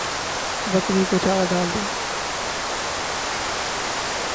بکری کو چارہ ڈال دو